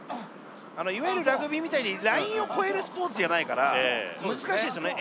いわゆるラグビーみたいにラインを越えるスポーツじゃないから難しいですよね